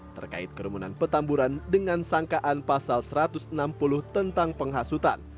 terkait kerumunan petamburan dengan sangkaan pasal satu ratus enam puluh tentang penghasutan